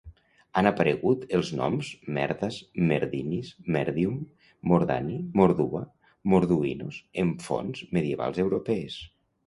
Han aparegut els noms "Merdas, Merdinis, Merdium, Mordani, Mordua, Morduinos" en fonts medievals europees.